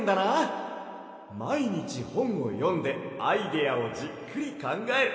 まいにちほんをよんでアイデアをじっくりかんがえる。